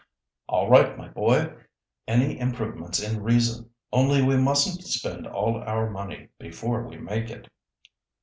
"All right, my boy; any improvements in reason, only we mustn't spend all our money before we make it."